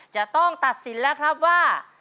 จะต้องตัดสินแล้วครับว่า